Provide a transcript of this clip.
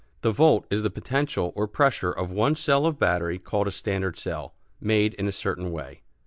The volt is the potential or pressure of one cell of battery called a standard cell, made in a certain way.